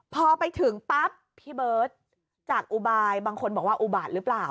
พอไปถึงปั๊บพี่เบิร์ตจากอุบายบางคนบอกว่าอุบาตหรือเปล่า